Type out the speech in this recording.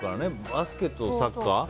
バスケとサッカー。